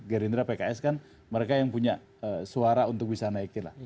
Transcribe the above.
gerindra pks kan mereka yang punya suara untuk bisa naikin lah